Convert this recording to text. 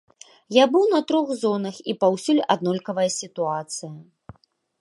Я быў на трох зонах, і паўсюль аднолькавая сітуацыя.